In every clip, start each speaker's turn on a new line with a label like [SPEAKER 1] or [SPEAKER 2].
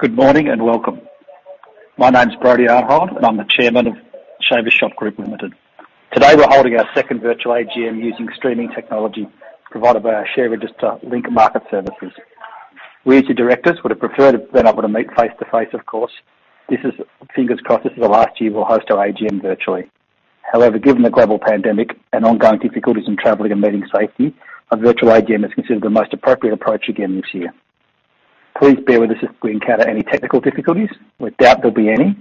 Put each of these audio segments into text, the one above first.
[SPEAKER 1] Good morning and welcome. My name is Brodie Arnhold, and I'm the Chairman of Shaver Shop Group Limited. Today, we're holding our second virtual AGM using streaming technology provided by our share register Link Market Services. We, as your directors, would have preferred to have been able to meet face-to-face, of course. This is, fingers crossed, this is the last year we'll host our AGM virtually. However, given the global pandemic and ongoing difficulties in traveling and meeting safely, a virtual AGM is considered the most appropriate approach again this year. Please bear with us if we encounter any technical difficulties. We doubt there'll be any,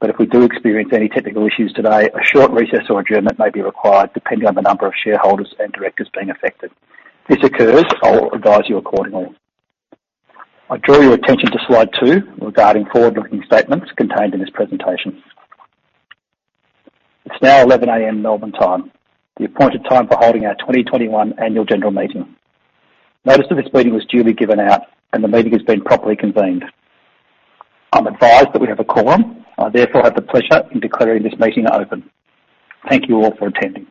[SPEAKER 1] but if we do experience any technical issues today, a short recess or adjournment may be required depending on the number of shareholders and directors being affected. If this occurs, I'll advise you accordingly. I draw your attention to slide two regarding forward-looking statements contained in this presentation. It's now 11:00 A.M., Melbourne time, the appointed time for holding our 2021 annual general meeting. Notice of this meeting was duly given out, and the meeting has been properly convened. I'm advised that we have a quorum. I therefore have the pleasure in declaring this meeting open. Thank you all for attending.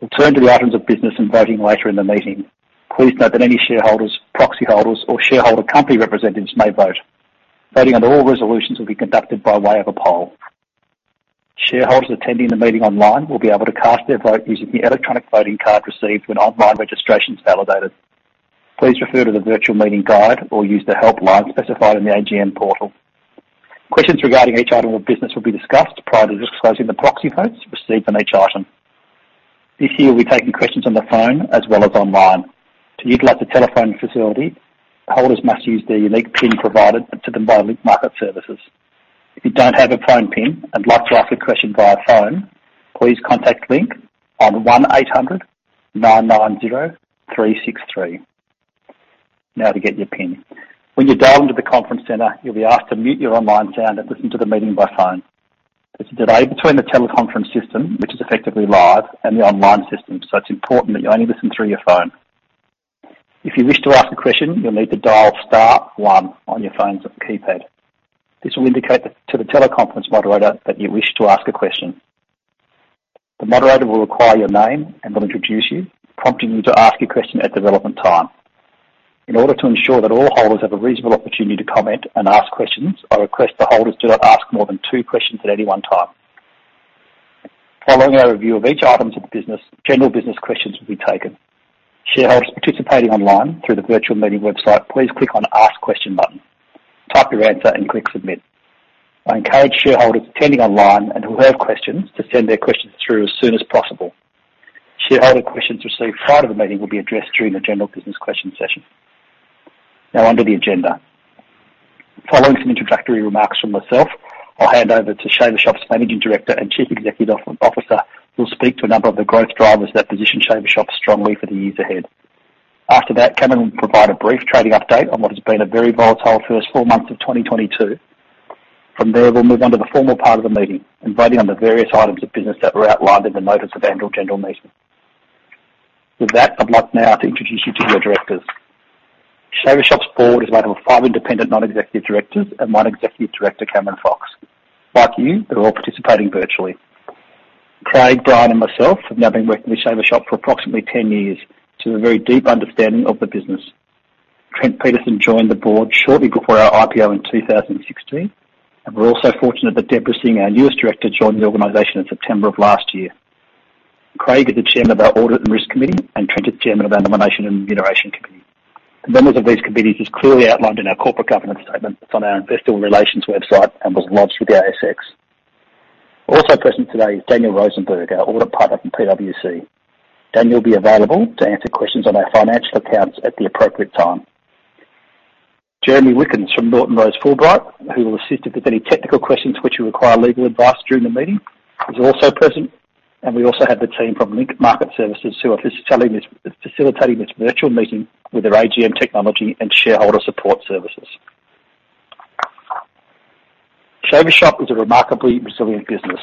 [SPEAKER 1] We'll turn to the items of business and voting later in the meeting. Please note that any shareholders, proxy holders, or shareholder company representatives may vote. Voting under all resolutions will be conducted by way of a poll. Shareholders attending the meeting online will be able to cast their vote using the electronic voting card received when online registration is validated. Please refer to the virtual meeting guide or use the helpline specified in the AGM portal. Questions regarding each item of business will be discussed prior to disclosing the proxy votes received on each item. This year, we're taking questions on the phone as well as online. To utilize the telephone facility, holders must use their unique PIN provided to them by Link Market Services. If you don't have a phone PIN and would like to ask a question via phone, please contact Link on 1800 993 63 now to get your PIN. When you dial into the conference center, you'll be asked to mute your online sound and listen to the meeting by phone. There's a delay between the teleconference system, which is effectively live, and the online system, so it's important that you only listen through your phone. If you wish to ask a question, you'll need to dial star one on your phone's keypad. This will indicate to the teleconference moderator that you wish to ask a question. The moderator will require your name and will introduce you, prompting you to ask your question at the relevant time. In order to ensure that all holders have a reasonable opportunity to comment and ask questions, I request the holders do not ask more than two questions at any one time. Following our review of each item of business, general business questions will be taken. Shareholders participating online through the virtual meeting website, please click on Ask Question button, type your answer, and click Submit. I encourage shareholders attending online and who have questions to send their questions through as soon as possible. Shareholder questions received prior to the meeting will be addressed during the general business question session. Now under the agenda. Following some introductory remarks from myself, I'll hand over to Shaver Shop's Managing Director and Chief Executive Officer, who will speak to a number of the growth drivers that position Shaver Shop strongly for the years ahead. After that, Cameron will provide a brief trading update on what has been a very volatile first four months of 2022. From there, we'll move on to the formal part of the meeting and voting on the various items of business that were outlined in the notice of annual general meeting. With that, I'd like now to introduce you to your directors. Shaver Shop's board is made up of five independent non-executive directors and one executive director, Cameron Fox. Like you, they're all participating virtually. Craig, Brian, and myself have now been working with Shaver Shop for approximately 10 years to a very deep understanding of the business. Trent Peterson joined the board shortly before our IPO in 2016, and we're also fortunate that Debra Singh, our newest director, joined the organization in September of last year. Craig is the chairman of our audit and risk committee, and Trent is chairman of our nomination and remuneration committee. The members of these committees is clearly outlined in our corporate governance statement from our investor relations website and was lodged with the ASX. Also present today is Daniel Rosenberg, our audit partner from PwC. Daniel will be available to answer questions on our financial accounts at the appropriate time. Jeremy Wickens from Norton Rose Fulbright, who will assist you with any technical questions which you require legal advice during the meeting, is also present. We also have the team from Link Market Services who are facilitating this virtual meeting with their AGM technology and shareholder support services. Shaver Shop is a remarkably resilient business.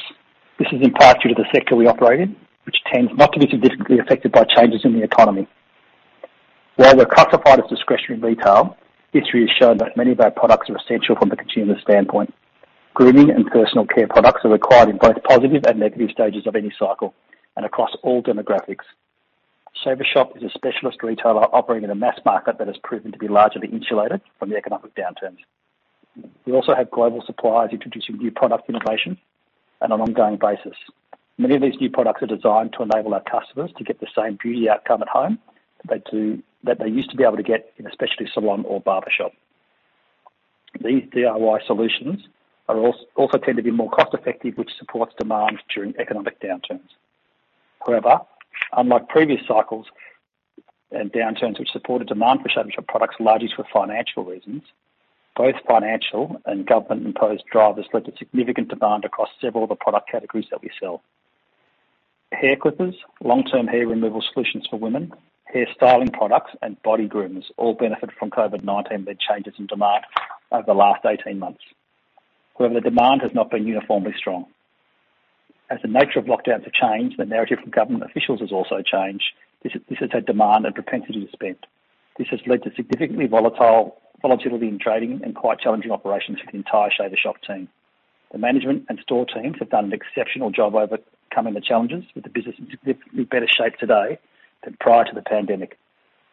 [SPEAKER 1] This is in part due to the sector we operate in, which tends not to be significantly affected by changes in the economy. While we're classified as discretionary retail, history has shown that many of our products are essential from the consumer standpoint. Grooming and personal care products are required in both positive and negative stages of any cycle and across all demographics. Shaver Shop is a specialist retailer operating in a mass market that has proven to be largely insulated from the economic downturns. We also have global suppliers introducing new product innovation on an ongoing basis. Many of these new products are designed to enable our customers to get the same beauty outcome at home that they used to be able to get in a specialty salon or barbershop. These DIY solutions are also tend to be more cost-effective, which supports demand during economic downturns. However, unlike previous cycles and downturns which supported demand for Shaver Shop products largely for financial reasons, both financial and government-imposed drivers led to significant demand across several of the product categories that we sell. Hair clippers, long-term hair removal solutions for women, hair styling products, and body groomers all benefited from COVID-19 led changes in demand over the last 18 months. However, demand has not been uniformly strong. As the nature of lockdowns have changed, the narrative from government officials has also changed. This has had demand and propensity to spend. This has led to significantly volatility in trading and quite challenging operations for the entire Shaver Shop team. The management and store teams have done an exceptional job overcoming the challenges, with the business in significantly better shape today than prior to the pandemic.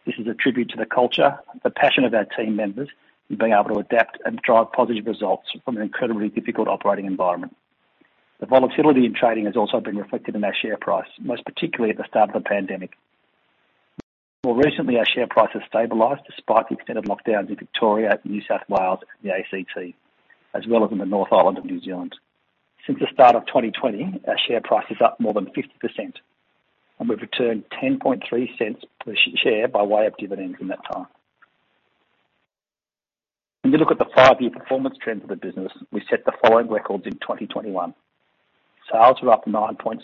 [SPEAKER 1] This is a tribute to the culture, the passion of our team members in being able to adapt and drive positive results from an incredibly difficult operating environment. The volatility in trading has also been reflected in our share price, most particularly at the start of the pandemic. More recently, our share price has stabilized despite the extended lockdowns in Victoria, New South Wales, and the ACT, as well as in the North Island of New Zealand. Since the start of 2020, our share price is up more than 50%, and we've returned 0.103 per share by way of dividends in that time. When you look at the 5-year performance trends of the business, we set the following records in 2021. Sales were up 9.6%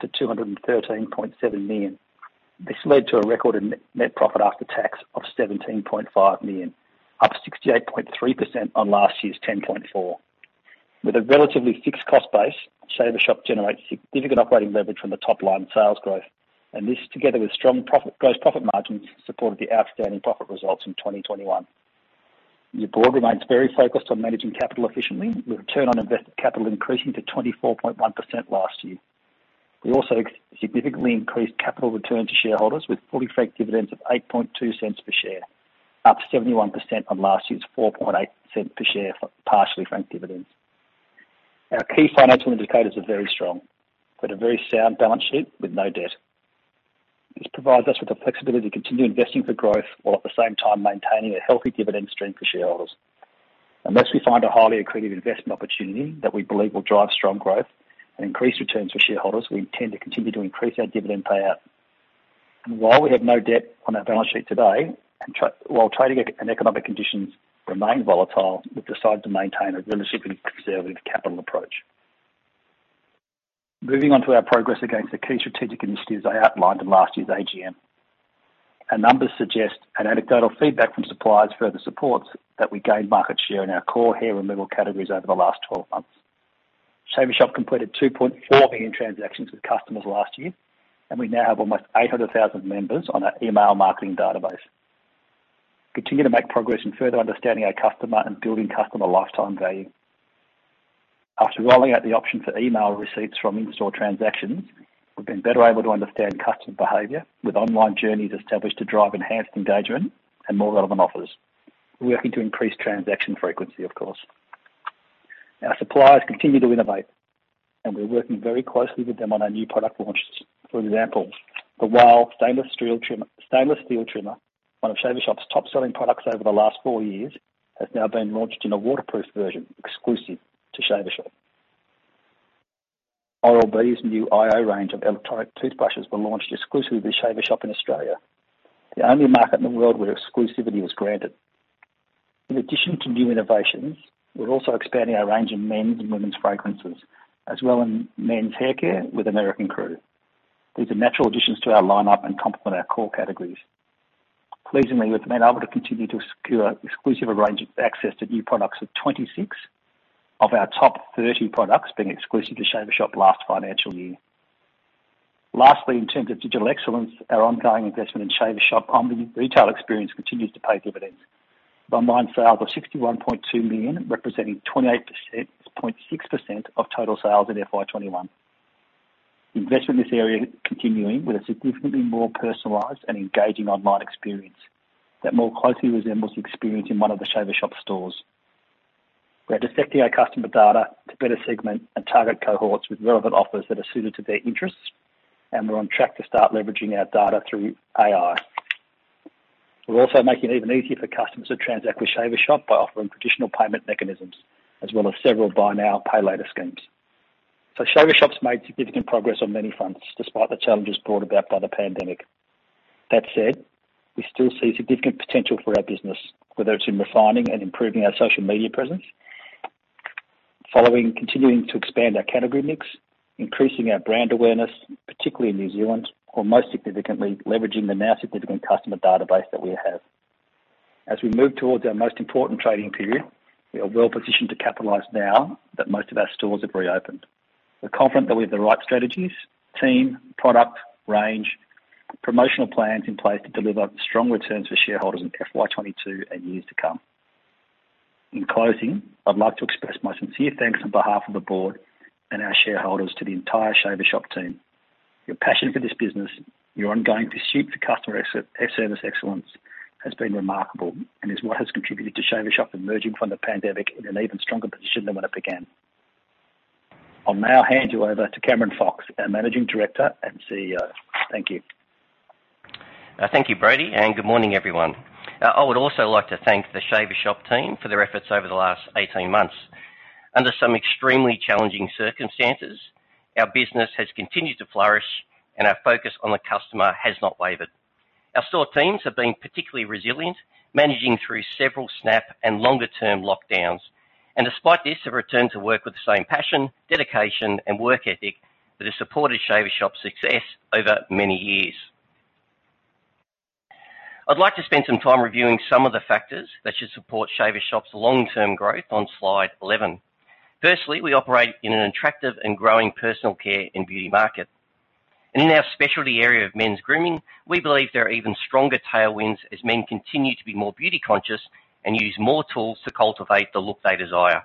[SPEAKER 1] to 213.7 million. This led to a record in net profit after tax of 17.5 million, up 68.3% on last year's 10.4 million. With a relatively fixed cost base, Shaver Shop generates significant operating leverage from the top-line sales growth, and this together with strong gross profit margins, supported the outstanding profit results in 2021. The board remains very focused on managing capital efficiently with return on invested capital increasing to 24.1% last year. We also significantly increased capital return to shareholders with fully franked dividends of 0.082 per share, up 71% on last year's 0.048 per share for partially franked dividends. Our key financial indicators are very strong. We've got a very sound balance sheet with no debt. This provides us with the flexibility to continue investing for growth while at the same time maintaining a healthy dividend stream for shareholders. Unless we find a highly accretive investment opportunity that we believe will drive strong growth and increase returns for shareholders, we intend to continue to increase our dividend payout. While we have no debt on our balance sheet today, and while trading and economic conditions remain volatile, we've decided to maintain a relatively conservative capital approach. Moving on to our progress against the key strategic initiatives I outlined in last year's AGM. Our numbers suggest and anecdotal feedback from suppliers further supports that we gained market share in our core hair removal categories over the last 12 months. Shaver Shop completed 2.4 million transactions with customers last year, and we now have almost 800,000 members on our email marketing database. We continue to make progress in further understanding our customer and building customer lifetime value. After rolling out the option for email receipts from in-store transactions, we've been better able to understand customer behavior with online journeys established to drive enhanced engagement and more relevant offers. We're working to increase transaction frequency, of course. Our suppliers continue to innovate, and we're working very closely with them on our new product launches. For example, the Wahl stainless steel trimmer, one of Shaver Shop's top-selling products over the last four years, has now been launched in a waterproof version exclusive to Shaver Shop. Oral-B's new iO range of electronic toothbrushes were launched exclusively with Shaver Shop in Australia, the only market in the world where exclusivity was granted. In addition to new innovations, we're also expanding our range of men's and women's fragrances, as well in men's haircare with American Crew. These are natural additions to our lineup and complement our core categories. Pleasingly, we've been able to continue to secure exclusive access to new products, with 26 of our top 30 products being exclusive to Shaver Shop last financial year. Lastly, in terms of digital excellence, our ongoing investment in Shaver Shop omni-retail experience continues to pay dividends. Online sales of 61.2 million, representing 28.6% of total sales in FY 2021. Investment in this area continuing with a significantly more personalized and engaging online experience that more closely resembles experience in one of the Shaver Shop stores. We're dissecting our customer data to better segment and target cohorts with relevant offers that are suited to their interests, and we're on track to start leveraging our data through AI. We're also making it even easier for customers to transact with Shaver Shop by offering traditional payment mechanisms as well as several buy now, pay later schemes. Shaver Shop's made significant progress on many fronts despite the challenges brought about by the pandemic. That said, we still see significant potential for our business, whether it's in refining and improving our social media presence, continuing to expand our category mix, increasing our brand awareness, particularly in New Zealand, or most significantly, leveraging the now significant customer database that we have. As we move towards our most important trading period, we are well-positioned to capitalize now that most of our stores have reopened. We're confident that we have the right strategies, team, product, range, promotional plans in place to deliver strong returns for shareholders in FY 2022 and years to come. In closing, I'd like to express my sincere thanks on behalf of the board and our shareholders to the entire Shaver Shop team. Your passion for this business, your ongoing pursuit for customer service excellence has been remarkable and is what has contributed to Shaver Shop emerging from the pandemic in an even stronger position than when it began. I'll now hand you over to Cameron Fox, our Managing Director and CEO. Thank you.
[SPEAKER 2] Thank you, Brodie, and good morning, everyone. I would also like to thank the Shaver Shop team for their efforts over the last 18 months. Under some extremely challenging circumstances, our business has continued to flourish, and our focus on the customer has not wavered. Our store teams have been particularly resilient, managing through several snap and longer-term lockdowns. Despite this, they have returned to work with the same passion, dedication, and work ethic that has supported Shaver Shop's success over many years. I'd like to spend some time reviewing some of the factors that should support Shaver Shop's long-term growth on slide 11. Firstly, we operate in an attractive and growing personal care and beauty market. In our specialty area of men's grooming, we believe there are even stronger tailwinds as men continue to be more beauty conscious and use more tools to cultivate the look they desire.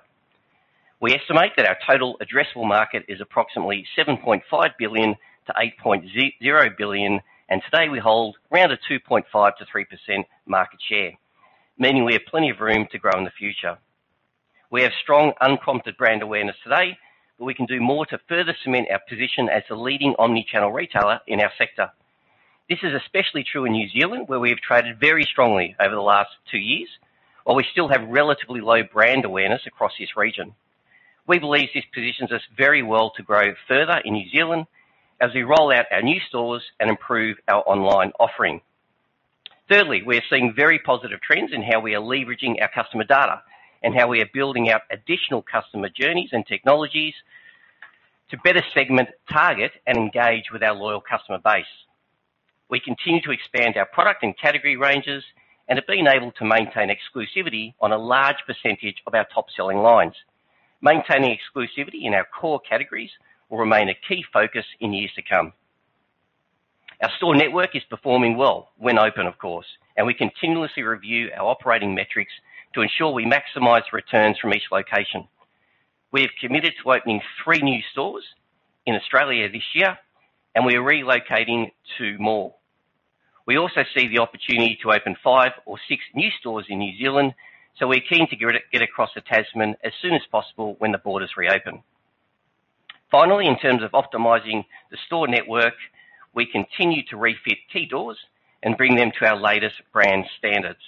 [SPEAKER 2] We estimate that our total addressable market is approximately 7.5 billion-8.0 billion, and today we hold around 2.5%-3% market share, meaning we have plenty of room to grow in the future. We have strong unprompted brand awareness today, but we can do more to further cement our position as the leading omni-channel retailer in our sector. This is especially true in New Zealand, where we have traded very strongly over the last two years. While we still have relatively low brand awareness across this region, we believe this positions us very well to grow further in New Zealand as we roll out our new stores and improve our online offering. Thirdly, we are seeing very positive trends in how we are leveraging our customer data and how we are building out additional customer journeys and technologies to better segment, target, and engage with our loyal customer base. We continue to expand our product and category ranges and have been able to maintain exclusivity on a large percentage of our top-selling lines. Maintaining exclusivity in our core categories will remain a key focus in years to come. Our store network is performing well when open, of course, and we continuously review our operating metrics to ensure we maximize returns from each location. We have committed to opening three new stores in Australia this year, and we are relocating two more. We also see the opportunity to open five or six new stores in New Zealand, so we're keen to get across the Tasman as soon as possible when the borders reopen. Finally, in terms of optimizing the store network, we continue to refit key doors and bring them to our latest brand standards.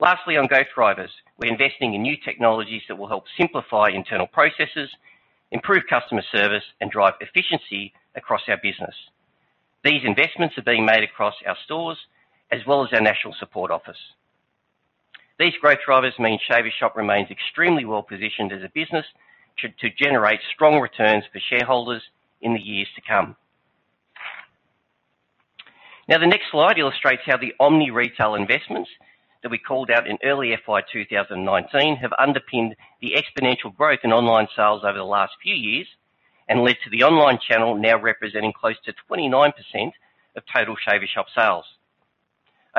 [SPEAKER 2] Lastly, on growth drivers, we're investing in new technologies that will help simplify internal processes, improve customer service, and drive efficiency across our business. These investments are being made across our stores as well as our national support office. These growth drivers mean Shaver Shop remains extremely well-positioned as a business to generate strong returns for shareholders in the years to come. Now, the next slide illustrates how the omni-retail investments that we called out in early FY 2019 have underpinned the exponential growth in online sales over the last few years and led to the online channel now representing close to 29% of total Shaver Shop sales.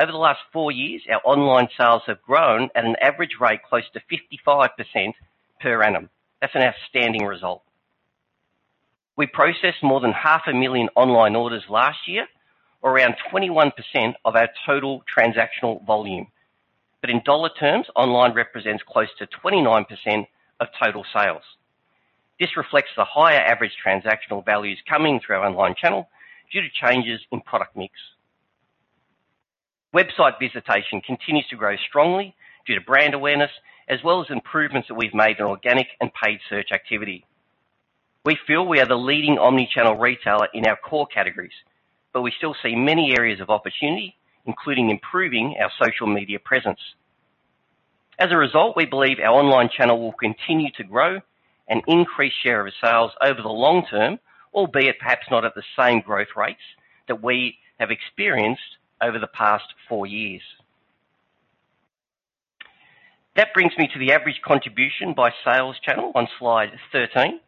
[SPEAKER 2] Over the last four years, our online sales have grown at an average rate close to 55% per annum. That's an outstanding result. We processed more than 500,000 online orders last year, or around 21% of our total transactional volume. In dollar terms, online represents close to 29% of total sales. This reflects the higher average transactional values coming through our online channel due to changes in product mix. Website visitation continues to grow strongly due to brand awareness as well as improvements that we've made in organic and paid search activity. We feel we are the leading omni-channel retailer in our core categories, but we still see many areas of opportunity, including improving our social media presence. As a result, we believe our online channel will continue to grow and increase share of sales over the long term, albeit perhaps not at the same growth rates that we have experienced over the past four years. That brings me to the average contribution by sales channel on slide 13.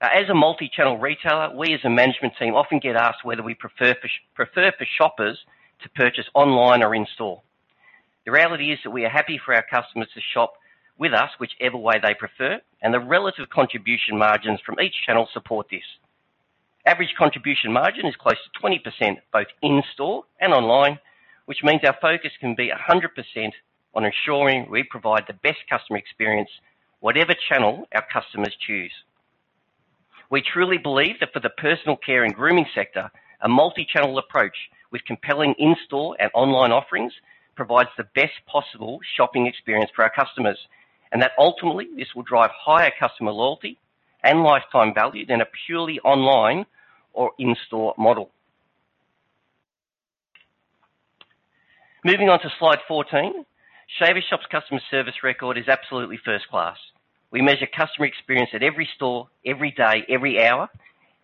[SPEAKER 2] As a multi-channel retailer, we as a management team often get asked whether we prefer for shoppers to purchase online or in store. The reality is that we are happy for our customers to shop with us whichever way they prefer, and the relative contribution margins from each channel support this. Average contribution margin is close to 20% both in store and online, which means our focus can be 100% on ensuring we provide the best customer experience whatever channel our customers choose. We truly believe that for the personal care and grooming sector, a multi-channel approach with compelling in-store and online offerings provides the best possible shopping experience for our customers. That ultimately this will drive higher customer loyalty and lifetime value than a purely online or in-store model. Moving on to slide 14. Shaver Shop's customer service record is absolutely first class. We measure customer experience at every store, every day, every hour,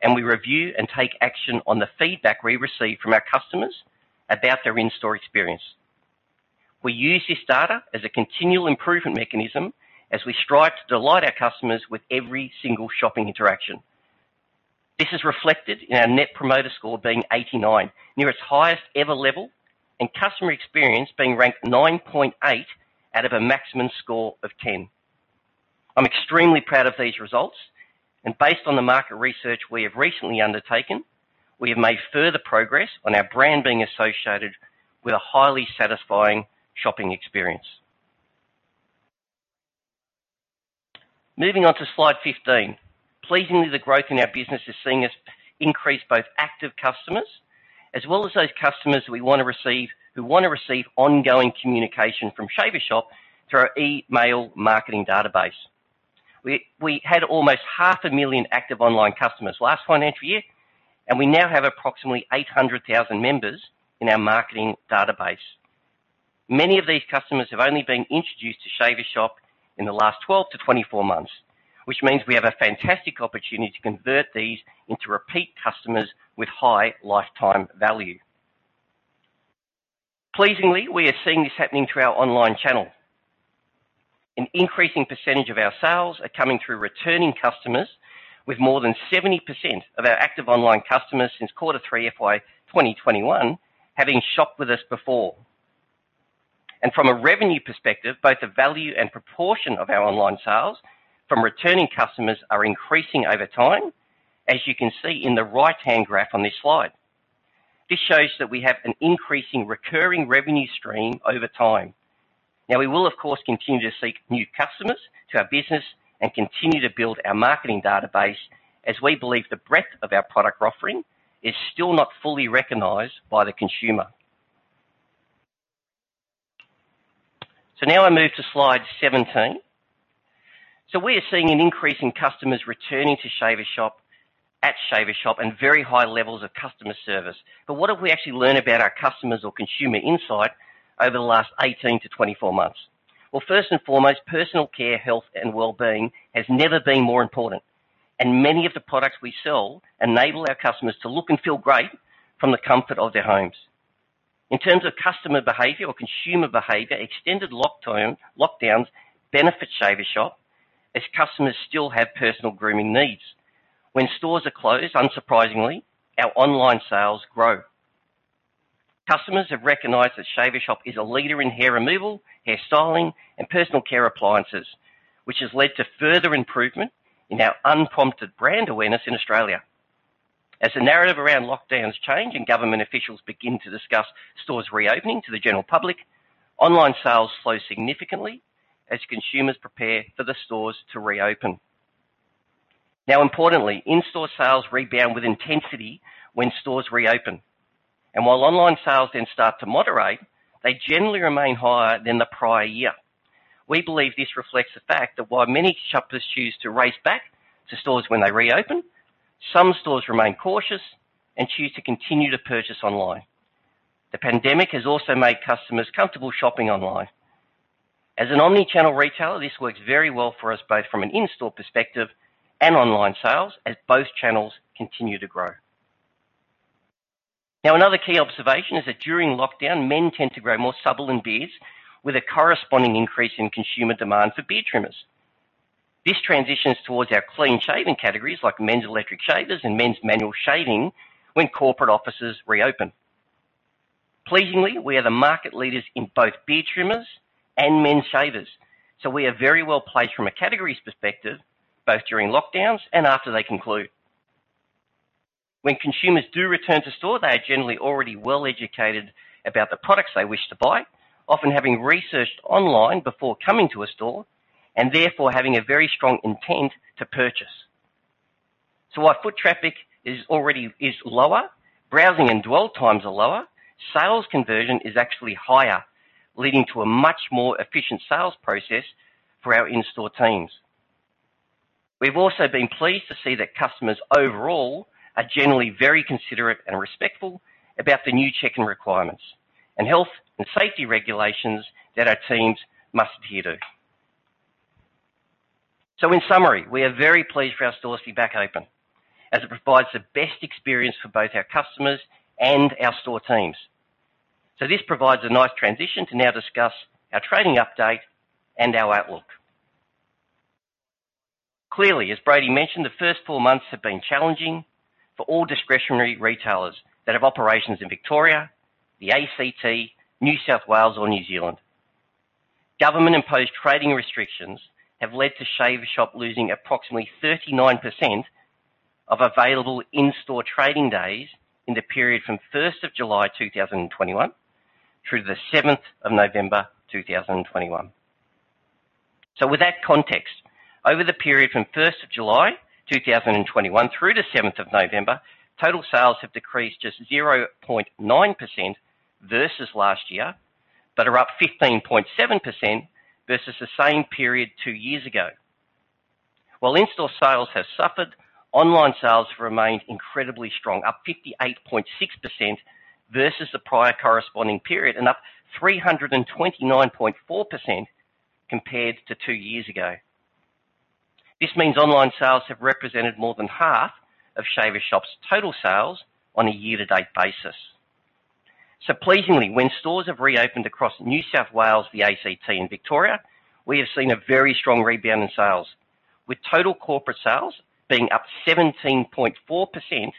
[SPEAKER 2] and we review and take action on the feedback we receive from our customers about their in-store experience. We use this data as a continual improvement mechanism as we strive to delight our customers with every single shopping interaction. This is reflected in our net promoter score being 89, near its highest ever level, and customer experience being ranked 9.8 out of a maximum score of 10. I'm extremely proud of these results. Based on the market research we have recently undertaken, we have made further progress on our brand being associated with a highly satisfying shopping experience. Moving on to slide 15. Pleasingly, the growth in our business is seeing us increase both active customers as well as those customers who wanna receive ongoing communication from Shaver Shop through our email marketing database. We had almost 500,000 active online customers last financial year, and we now have approximately 800,000 members in our marketing database. Many of these customers have only been introduced to Shaver Shop in the last 12-24 months, which means we have a fantastic opportunity to convert these into repeat customers with high lifetime value. Pleasingly, we are seeing this happening through our online channel. An increasing percentage of our sales are coming through returning customers with more than 70% of our active online customers since quarter three FY 2021 having shopped with us before. From a revenue perspective, both the value and proportion of our online sales from returning customers are increasing over time, as you can see in the right-hand graph on this slide. This shows that we have an increasing recurring revenue stream over time. Now we will, of course, continue to seek new customers to our business and continue to build our marketing database as we believe the breadth of our product offering is still not fully recognized by the consumer. Now I move to slide 17. We are seeing an increase in customers returning to Shaver Shop at Shaver Shop and very high levels of customer service. What have we actually learned about our customers or consumer insight over the last 18-24 months? Well, first and foremost, personal care, health, and wellbeing has never been more important. Many of the products we sell enable our customers to look and feel great from the comfort of their homes. In terms of customer behavior or consumer behavior, extended lockdowns benefit Shaver Shop as customers still have personal grooming needs. When stores are closed, unsurprisingly, our online sales grow. Customers have recognized that Shaver Shop is a leader in hair removal, hair styling, and personal care appliances, which has led to further improvement in our unprompted brand awareness in Australia. As the narrative around lockdowns change and government officials begin to discuss stores reopening to the general public, online sales slow significantly as consumers prepare for the stores to reopen. Now importantly, in-store sales rebound with intensity when stores reopen. While online sales then start to moderate, they generally remain higher than the prior year. We believe this reflects the fact that while many shoppers choose to race back to stores when they reopen, some shoppers remain cautious and choose to continue to purchase online. The pandemic has also made customers comfortable shopping online. As an omni-channel retailer, this works very well for us, both from an in-store perspective and online sales as both channels continue to grow. Now, another key observation is that during lockdown, men tend to grow more stubble and beards with a corresponding increase in consumer demand for beard trimmers. This transitions towards our clean shaving categories like men's electric shavers and men's manual shaving when corporate offices reopen. Pleasingly, we are the market leaders in both beard trimmers and men's shavers, so we are very well placed from a categories perspective, both during lockdowns and after they conclude. When consumers do return to store, they are generally already well-educated about the products they wish to buy, often having researched online before coming to a store and therefore having a very strong intent to purchase. While foot traffic is lower, browsing and dwell times are lower, sales conversion is actually higher, leading to a much more efficient sales process for our in-store teams. We've also been pleased to see that customers overall are generally very considerate and respectful about the new check-in requirements and health and safety regulations that our teams must adhere to. In summary, we are very pleased for our stores to be back open as it provides the best experience for both our customers and our store teams. This provides a nice transition to now discuss our trading update and our outlook. Clearly, as Brodie mentioned, the first four months have been challenging for all discretionary retailers that have operations in Victoria, the ACT, New South Wales or New Zealand. Government-imposed trading restrictions have led to Shaver Shop losing approximately 39% of available in-store trading days in the period from July 1, 2021 through to November 7, 2021. With that context, over the period from July 1, 2021 through to November 7, 2021, total sales have decreased just 0.9% versus last year, but are up 15.7% versus the same period two years ago. While in-store sales have suffered, online sales have remained incredibly strong, up 58.6% versus the prior corresponding period and up 329.4% compared to two years ago. This means online sales have represented more than half of Shaver Shop's total sales on a year-to-date basis. Pleasingly, when stores have reopened across New South Wales, the ACT, and Victoria, we have seen a very strong rebound in sales, with total corporate sales being up 17.4%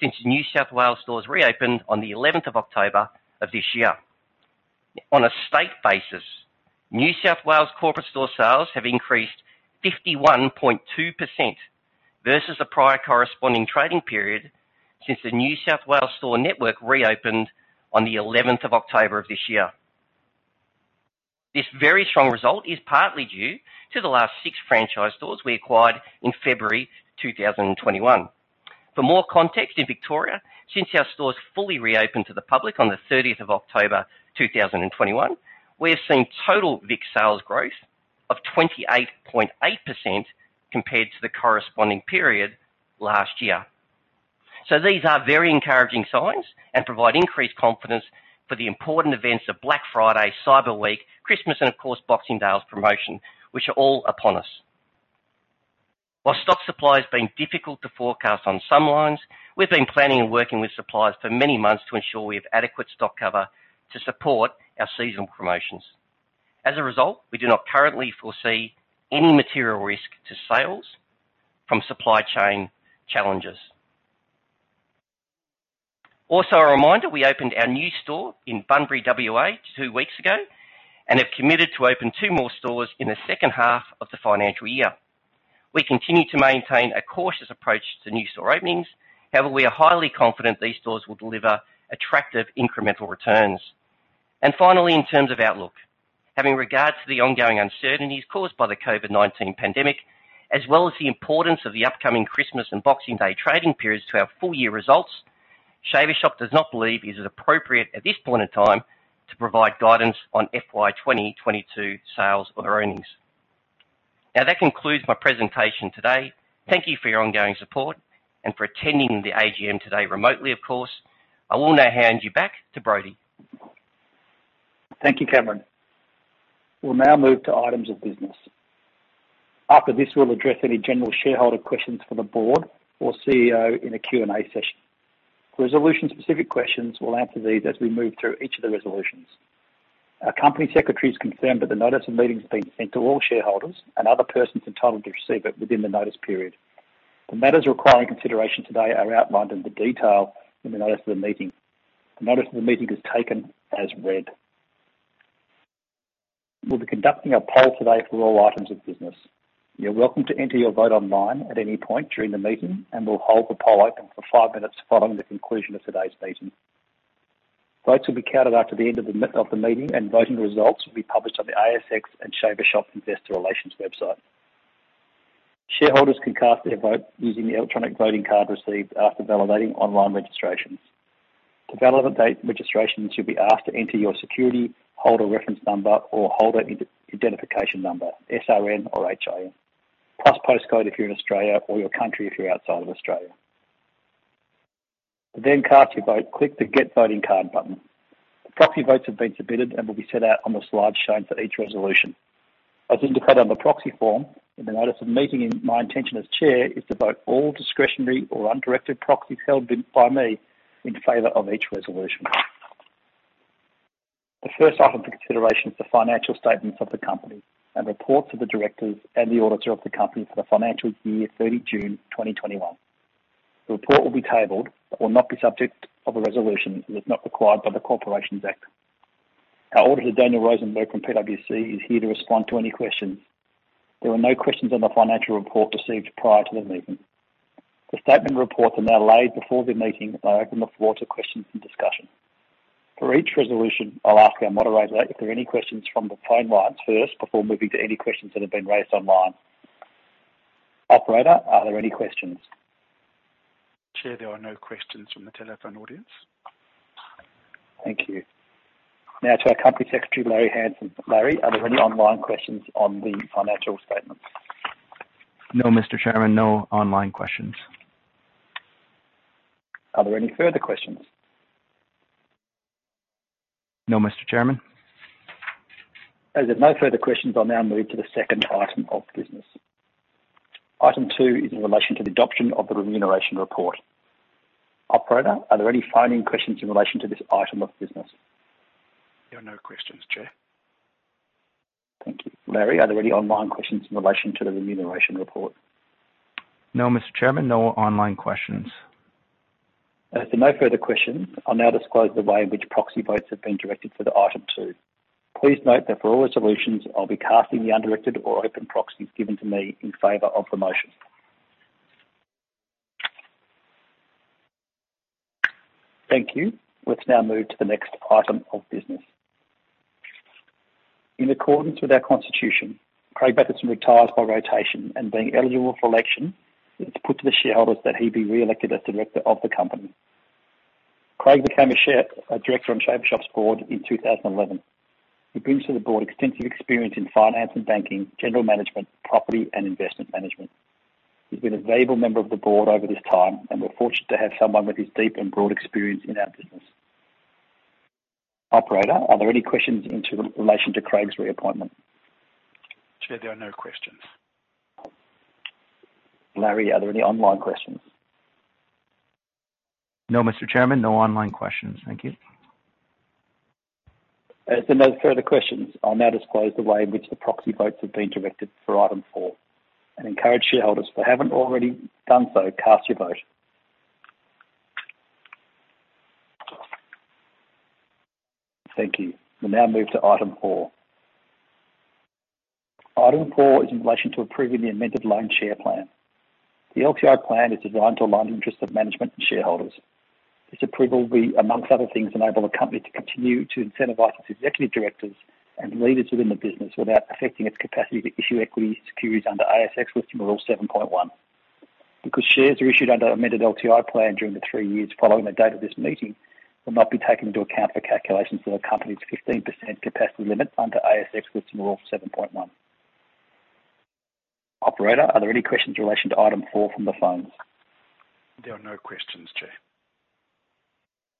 [SPEAKER 2] since New South Wales stores reopened on the eleventh of October of this year. On a state basis, New South Wales corporate store sales have increased 51.2% versus the prior corresponding trading period since the New South Wales store network reopened on the eleventh of October of this year. This very strong result is partly due to the last six franchise stores we acquired in February 2021. For more context in Victoria, since our stores fully reopened to the public on the thirtieth of October 2021, we have seen total Vic sales growth of 28.8% compared to the corresponding period last year. These are very encouraging signs and provide increased confidence for the important events of Black Friday, Cyber Week, Christmas and of course, Boxing Day promotion, which are all upon us. While stock supply has been difficult to forecast on some lines, we've been planning and working with suppliers for many months to ensure we have adequate stock cover to support our seasonal promotions. As a result, we do not currently foresee any material risk to sales from supply chain challenges. Also, a reminder, we opened our new store in Bunbury, WA, two weeks ago and have committed to open two more stores in the second half of the financial year. We continue to maintain a cautious approach to new store openings, however, we are highly confident these stores will deliver attractive incremental returns. Finally, in terms of outlook, having regard to the ongoing uncertainties caused by the COVID-19 pandemic, as well as the importance of the upcoming Christmas and Boxing Day trading periods to our full-year results, Shaver Shop does not believe it is appropriate at this point in time to provide guidance on FY 2022 sales or earnings. Now, that concludes my presentation today. Thank you for your ongoing support and for attending the AGM today remotely, of course. I will now hand you back to Brodie.
[SPEAKER 1] Thank you, Cameron. We'll now move to items of business. After this, we'll address any general shareholder questions for the board or CEO in a Q&A session. Resolution-specific questions, we'll answer these as we move through each of the resolutions. Our company secretary's confirmed that the notice of meeting's been sent to all shareholders and other persons entitled to receive it within the notice period. The matters requiring consideration today are outlined in detail in the notice of the meeting. The notice of the meeting is taken as read. We'll be conducting a poll today for all items of business. You're welcome to enter your vote online at any point during the meeting, and we'll hold the poll open for five minutes following the conclusion of today's meeting. Votes will be counted after the end of the meeting, and voting results will be published on the ASX and Shaver Shop investor relations website. Shareholders can cast their vote using the electronic voting card received after validating online registrations. To validate registrations, you'll be asked to enter your security holder reference number or holder identification number, SRN or HIN, plus postcode if you're in Australia or your country if you're outside of Australia. To then cast your vote, click the Get Voting Card button. Proxy votes have been submitted and will be set out on the slide shown for each resolution. As indicated on the proxy form in the notice of meeting, my intention as chair is to vote all discretionary or undirected proxies held by me in favor of each resolution. The first item for consideration is the financial statements of the company and reports of the directors and the auditors of the company for the financial year 30 June 2021. The report will be tabled but will not be subject of a resolution, as it is not required by the Corporations Act. Our auditor, Daniel Rosenberg from PwC, is here to respond to any questions. There were no questions on the financial report received prior to the meeting. The statements and reports are now laid before the meeting. I open the floor to questions and discussion. For each resolution, I'll ask our moderator if there are any questions from the phone lines first before moving to any questions that have been raised online. Operator, are there any questions?
[SPEAKER 3] Chair, there are no questions from the telephone audience.
[SPEAKER 1] Thank you. Now to our Company Secretary, Larry Hamson. Larry, are there any online questions on the financial statements?
[SPEAKER 4] No, Mr. Chairman. No online questions.
[SPEAKER 1] Are there any further questions?
[SPEAKER 4] No, Mr. Chairman.
[SPEAKER 1] As there are no further questions, I'll now move to the second item of business. Item two is in relation to the adoption of the remuneration report. Operator, are there any phone questions in relation to this item of business?
[SPEAKER 3] There are no questions, Chair.
[SPEAKER 1] Thank you. Larry, are there any online questions in relation to the remuneration report?
[SPEAKER 4] No, Mr. Chairman. No online questions.
[SPEAKER 1] As there are no further questions, I'll now disclose the way in which proxy votes have been directed for the item two. Please note that for all resolutions, I'll be casting the undirected or open proxies given to me in favor of the motion. Thank you. Let's now move to the next item of business. In accordance with our constitution, Craig Mathieson retires by rotation, and being eligible for election, it's put to the shareholders that he be re-elected as director of the company. Craig became a director on Shaver Shop's board in 2011. He brings to the board extensive experience in finance and banking, general management, property, and investment management. He's been a valuable member of the board over this time, and we're fortunate to have someone with his deep and broad experience in our business. Operator, are there any questions in relation to Craig's reappointment?
[SPEAKER 3] Chair, there are no questions.
[SPEAKER 1] Larry, are there any online questions?
[SPEAKER 4] No, Mr. Chairman. No online questions. Thank you.
[SPEAKER 1] As there are no further questions, I'll now disclose the way in which the proxy votes have been directed for item four and encourage shareholders who haven't already done so, cast your vote. Thank you. We'll now move to item four. Item four is in relation to approving the amended LTI plan. The LTI plan is designed to align the interests of management and shareholders. This approval will, among other things, enable the company to continue to incentivize its executive directors and leaders within the business without affecting its capacity to issue equity securities under ASX Listing Rule 7.1. Because shares issued under the amended LTI plan during the three years following the date of this meeting will not be taken into account for calculations of the company's 15% capacity limit under ASX Listing Rule 7.1. Operator, are there any questions in relation to item four from the phones?
[SPEAKER 3] There are no questions, Chair.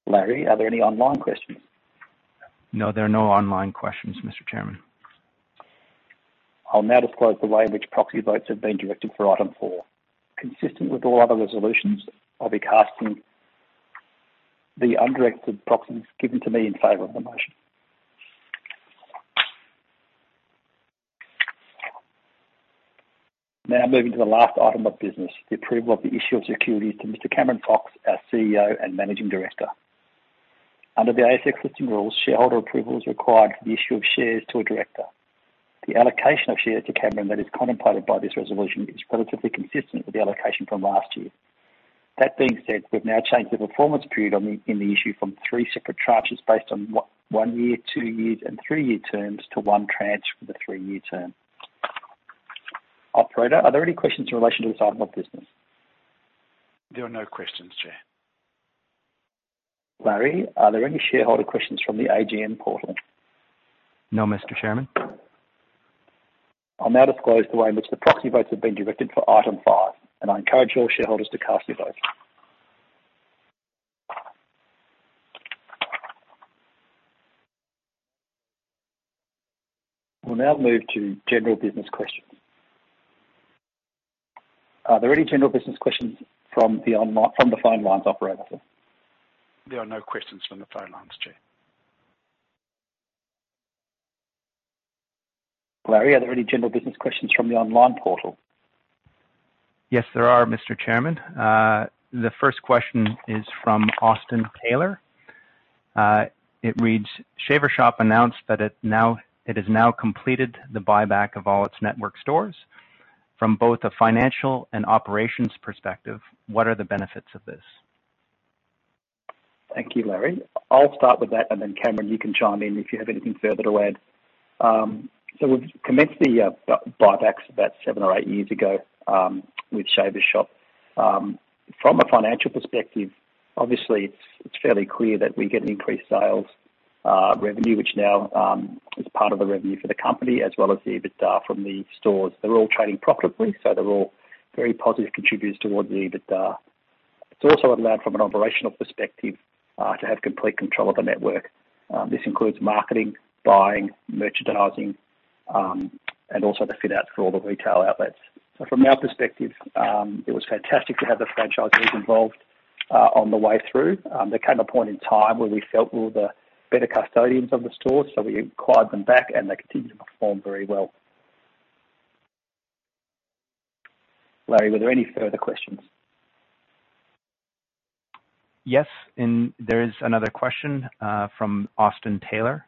[SPEAKER 1] Larry, are there any online questions?
[SPEAKER 4] No, there are no online questions, Mr. Chairman.
[SPEAKER 1] I'll now disclose the way in which proxy votes have been directed for item four. Consistent with all other resolutions, I'll be casting the undirected proxies given to me in favor of the motion. Now moving to the last item of business, the approval of the issue of securities to Mr. Cameron Fox, our CEO and Managing Director. Under the ASX Listing Rules, shareholder approval is required for the issue of shares to a director. The allocation of shares to Cameron that is contemplated by this resolution is relatively consistent with the allocation from last year. That being said, we've now changed the performance period in the issue from three separate tranches based on one year, two years, and three-year terms to one tranche for the three-year term. Operator, are there any questions in relation to this item of business?
[SPEAKER 3] There are no questions, Chair.
[SPEAKER 1] Larry, are there any shareholder questions from the AGM portal?
[SPEAKER 4] No, Mr. Chairman.
[SPEAKER 1] I'll now disclose the way in which the proxy votes have been directed for item five, and I encourage all shareholders to cast their vote. We'll now move to general business questions. Are there any general business questions from the phone lines operator?
[SPEAKER 3] There are no questions from the phone lines, Chair.
[SPEAKER 1] Larry, are there any general business questions from the online portal?
[SPEAKER 4] Yes, there are, Mr. Chairman. The first question is from Austin Taylor. It reads, "Shaver Shop announced that it has now completed the buyback of all its network stores. From both a financial and operations perspective, what are the benefits of this?
[SPEAKER 1] Thank you, Larry. I'll start with that, and then Cameron, you can chime in if you have anything further to add. We've commenced the buybacks about seven or eight years ago with Shaver Shop. From a financial perspective, obviously it's fairly clear that we get an increased sales revenue, which now is part of the revenue for the company as well as the EBITDA from the stores. They're all trading profitably, so they're all very positive contributors towards the EBITDA. It's also allowed from an operational perspective to have complete control of the network. This includes marketing, buying, merchandising, and also the fit-outs for all the retail outlets. From our perspective, it was fantastic to have the franchisees involved on the way through. There came a point in time where we felt we were the better custodians of the stores, so we acquired them back, and they continue to perform very well. Larry, were there any further questions?
[SPEAKER 4] Yes, there is another question from Austin Taylor.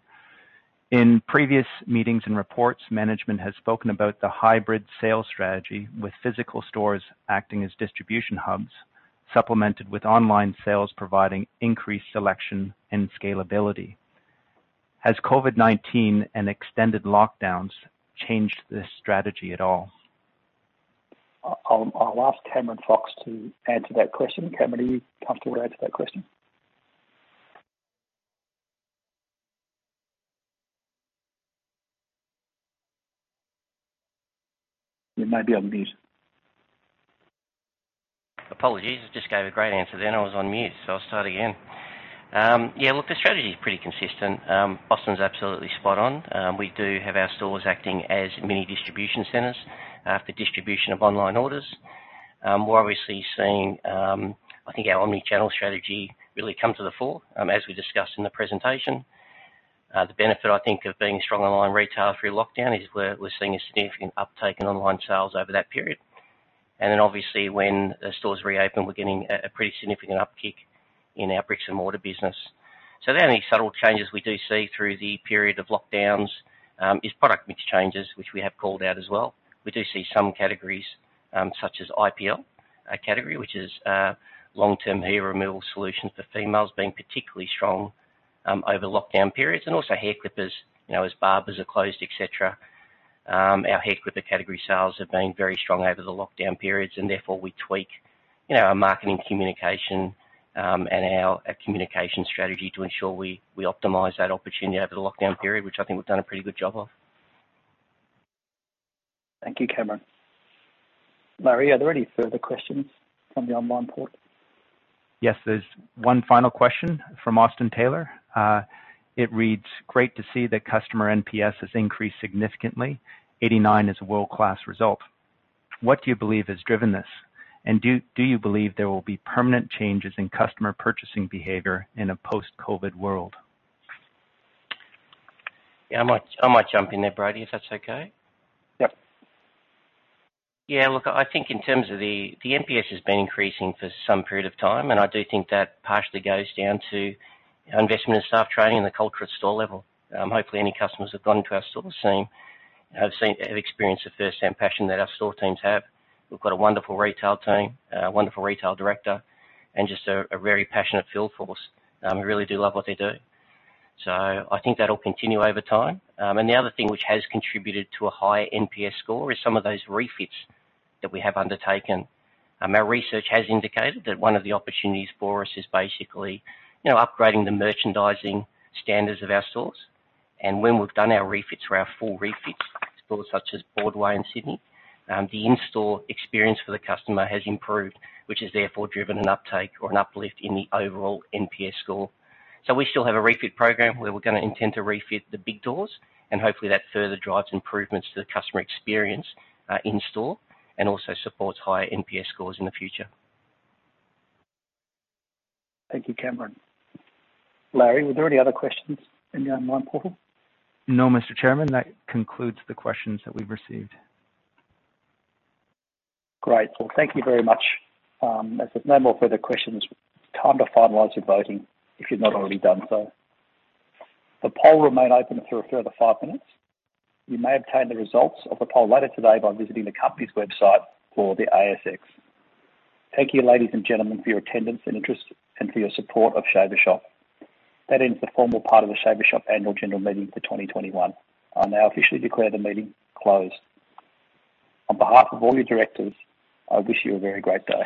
[SPEAKER 4] In previous meetings and reports, management has spoken about the hybrid sales strategy with physical stores acting as distribution hubs, supplemented with online sales providing increased selection and scalability. Has COVID-19 and extended lockdowns changed this strategy at all?
[SPEAKER 1] I'll ask Cameron Fox to answer that question. Cameron, are you comfortable to answer that question?
[SPEAKER 2] You may be on mute. Apologies. I just gave a great answer then I was on mute, so I'll start again. Yeah, look, the strategy is pretty consistent. Austin's absolutely spot on. We do have our stores acting as mini distribution centers for distribution of online orders. We're obviously seeing, I think our omni-channel strategy really come to the fore, as we discussed in the presentation. The benefit I think of being a strong online retailer through lockdown is we're seeing a significant uptake in online sales over that period. Obviously when stores reopen, we're getting a pretty significant uptick in our bricks and mortar business. The only subtle changes we do see through the period of lockdowns is product mix changes, which we have called out as well. We do see some categories, such as IPL, a category which is long-term hair removal solutions for females being particularly strong over lockdown periods, and also hair clippers, you know, as barbers are closed, et cetera. Our hair clipper category sales have been very strong over the lockdown periods and therefore we tweak, you know, our marketing communication and our communication strategy to ensure we optimize that opportunity over the lockdown period, which I think we've done a pretty good job of.
[SPEAKER 1] Thank you, Cameron. Larry, are there any further questions from the online portal?
[SPEAKER 4] Yes. There's one final question from Austin Taylor. It reads, great to see that customer NPS has increased significantly. 89 is a world-class result. What do you believe has driven this? Do you believe there will be permanent changes in customer purchasing behavior in a post-COVID world?
[SPEAKER 2] Yeah, I might jump in there, Brodie, if that's okay.
[SPEAKER 1] Yep.
[SPEAKER 2] Yeah, look, I think in terms of the NPS has been increasing for some period of time, and I do think that partially goes down to investment in staff training and the culture at store level. Hopefully, any customers who have gone into our stores have experienced the firsthand passion that our store teams have. We've got a wonderful retail team, a wonderful retail director, and just a very passionate field force. We really do love what they do. I think that'll continue over time. The other thing which has contributed to a high NPS score is some of those refits that we have undertaken. Our research has indicated that one of the opportunities for us is basically, you know, upgrading the merchandising standards of our stores. When we've done our refits for our full refit stores such as Broadway and Sydney, the in-store experience for the customer has improved, which has therefore driven an uptake or an uplift in the overall NPS score. We still have a refit program where we're gonna intend to refit the big doors, and hopefully, that further drives improvements to the customer experience, in store and also supports higher NPS scores in the future.
[SPEAKER 1] Thank you, Cameron. Larry, were there any other questions in the online portal?
[SPEAKER 4] No, Mr. Chairman. That concludes the questions that we've received.
[SPEAKER 1] Great. Well, thank you very much. As there's no more further questions, time to finalize your voting if you've not already done so. The poll will remain open for a further five minutes. You may obtain the results of the poll later today by visiting the company's website or the ASX. Thank you, ladies and gentlemen, for your attendance and interest and for your support of Shaver Shop. That ends the formal part of the Shaver Shop annual general meeting for 2021. I now officially declare the meeting closed. On behalf of all your directors, I wish you a very great day.